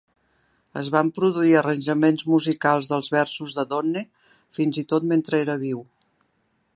Es van produir arranjaments musicals dels versos de Donne fins i tot mentre era viu.